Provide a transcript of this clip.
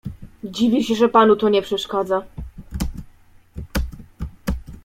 "Dziwię się, że panu to nie przeszkadza."